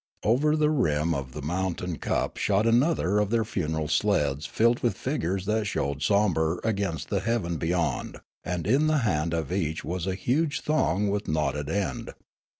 Over the rim of the mount ain cup shot another of their funeral sleds filled with figures that showed sombre against the heaven beyond ; and in the hand of each was a huge thong with knotted end.